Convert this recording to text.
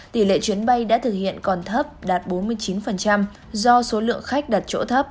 tỷ lệ chuyến bay đã thực hiện còn thấp đạt bốn mươi chín do số lượng khách đặt chỗ thấp